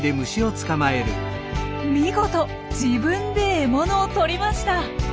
見事自分で獲物をとりました！